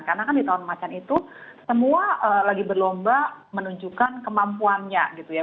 karena kan di tahun macan itu semua lagi berlomba menunjukkan kemampuannya gitu ya